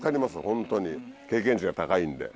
ホントに経験値が高いんで。